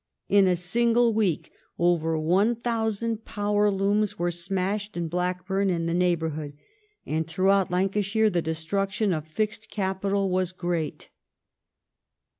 In a single week over 1,000 power looms were smashed in Blackburn and the neighbourhood, and throughout Lancashire the destruction of fixed capital was great.